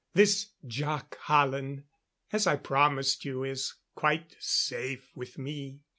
This Jac Hallen as I promised you is quite safe with me."